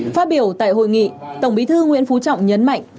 phát biểu tại hội nghị tổng bí thư nguyễn phú trọng nhấn mạnh